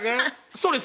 そうです